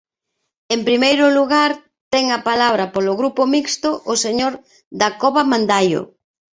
En primeiro lugar, ten a palabra, polo Grupo Mixto, o señor Dacova Mandaio.